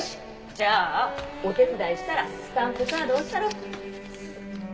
じゃあお手伝いしたらスタンプカード押したろ。